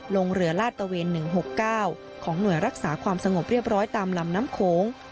ลงเรือลาดตะเวน๑๖๙ของหน่วยรักษาความสงบเรียบร้อยตามลำน้ำโขง